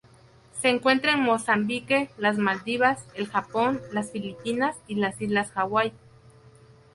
Se encuentran en Mozambique, las Maldivas, el Japón, las Filipinas y las islas Hawaii.